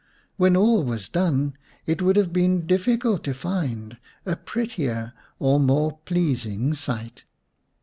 When all was done it would have been difficult to find a prettier or more pleasing sight.